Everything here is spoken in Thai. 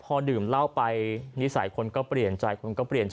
พอดื่มเหล้าไปนิสัยคนก็เปลี่ยนใจคนก็เปลี่ยนใจ